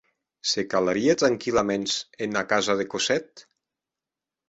Se calarie tranquillaments ena casa de Cosette?